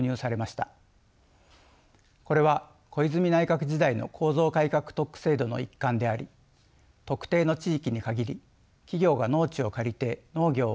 これは小泉内閣時代の構造改革特区制度の一環であり特定の地域にかぎり企業が農地を借りて農業を行えるようにしたものです。